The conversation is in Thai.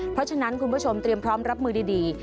เพราะฉะนั้นคุณผู้ชมเตรียมพร้อมรับมือดี